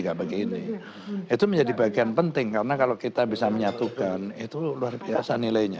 kayak begini itu menjadi bagian penting karena kalau kita bisa menyatukan itu luar biasa nilainya